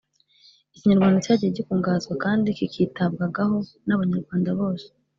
ikinyarwanda cyagiye gikungahazwa kandi kikitabwagaho n’abanyarwanda bose,